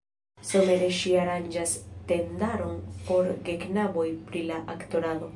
Somere ŝi aranĝas tendaron por geknaboj pri la aktorado.